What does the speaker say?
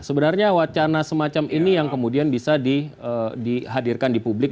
sebenarnya wacana semacam ini yang kemudian bisa dihadirkan di publik